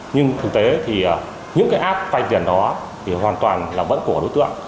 nhưng thực tế thì những cái ad vai tiền đó thì hoàn toàn là vẫn của đối tượng